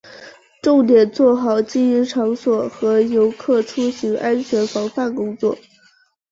重点做好经营场所和游客出行安全防范工作